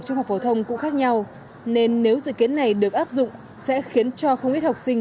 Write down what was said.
trung học phổ thông cũng khác nhau nên nếu dự kiến này được áp dụng sẽ khiến cho không ít học sinh